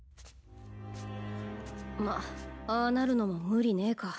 まっああなるのも無理ねぇか。